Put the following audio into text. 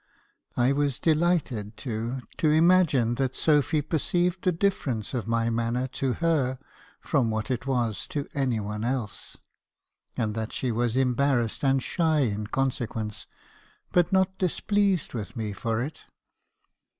I was delighted, too, to imagine that Sophy perceived the difference of my manner to her from what it was to any one else , and that she was embarrassed and shy in consequence, but not displeased with me for it.